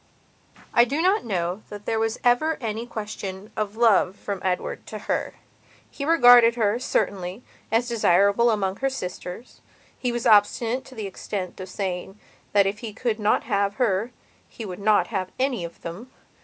I do not know that there was ever any question of love from Edward to her. He regarded her, certainly, as desirable amongst her sisters. He was obstinate to the extent of saying that if he could not have her he would not have any of them.